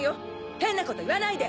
変なこと言わないで。